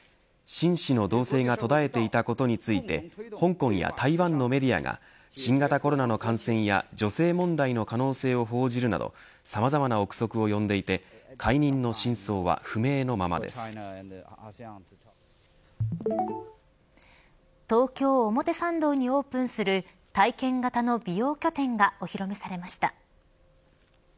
秦氏の動静が途絶えていたことについて香港や台湾のメディアが新型コロナの感染や女性問題の可能性を報じるなどさまざまな臆測をよんでいて東京、表参道にオープンする体験型の美容拠点がお披露目されました。